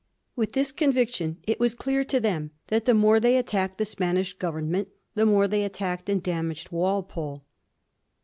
With this con viction, it was clear to them that the more they attacked the Spanish Government the more they attacked and dam aged Walpole.